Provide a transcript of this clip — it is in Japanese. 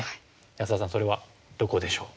安田さんそれはどこでしょう？